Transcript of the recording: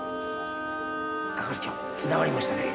係長繋がりましたね。